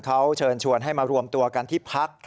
เขาเชิญชวนให้มารวมตัวกันที่พัก